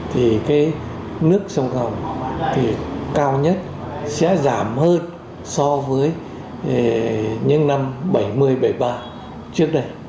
thì cái nước sông hồng thì cao nhất sẽ giảm hơn so với những năm bảy mươi bảy mươi ba trước đây